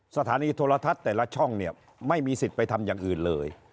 สถานีโทรทัศน์แต่ละช่องเนี่ยไม่มีสิทธิ์ไปทำอย่างอื่นเลย